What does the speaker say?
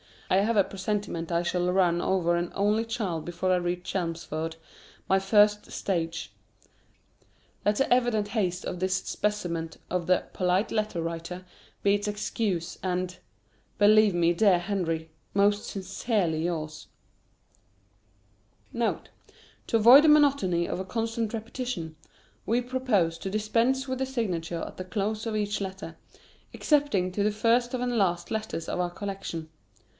I have a presentiment I shall run over an only child before I reach Chelmsford, my first stage. Let the evident haste of this specimen of "The Polite Letter Writer" be its excuse, and Believe me, dear Henry, most sincerely yours, [HW: Charles Dickens] NOTE. To avoid the monotony of a constant repetition, we propose to dispense with the signature at the close of each letter, excepting to the first and last letters of our collection.